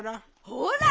ほら！